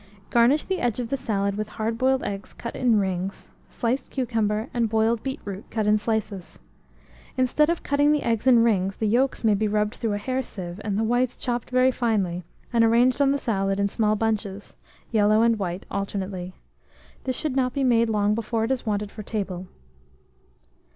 Garnish the edge of the salad with hard boiled eggs cut in rings, sliced cucumber, and boiled beetroot cut in slices. Instead of cutting the eggs in rings, the yolks may be rubbed through a hair sieve, and the whites chopped very finely, and arranged on the salad in small bunches, yellow and white alternately. This should not be made long before it is wanted for table.